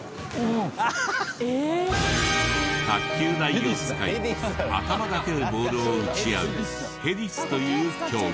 卓球台を使い頭だけでボールを打ち合うヘディスという競技。